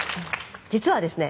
実はですね